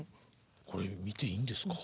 これ見ていいんですか？